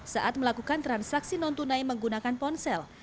saat melakukan transaksi non tunai menggunakan ponsel